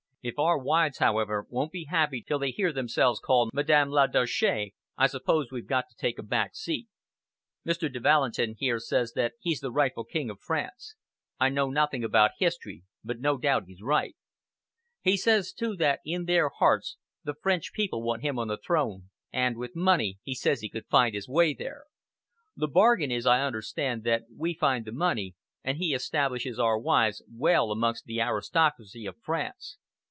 If our wives, however, won't be happy till they hear themselves called Madame la Duchesse, I suppose we've got to take a back seat. Mr. de Valentin here says that he's the rightful King of France. I know nothing about history, but no doubt he's right. He says, too, that in their hearts the French people want him on the throne, and, with money, he says he could find his way there. The bargain is, I understand, that we find the money, and he establishes our wives well amongst the aristocracy of France.